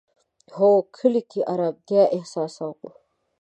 هو، کلی کی ارامتیا احساسوم